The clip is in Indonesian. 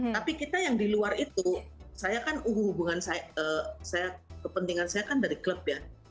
tapi kita yang di luar itu saya kan hubungan saya kepentingan saya kan dari klub ya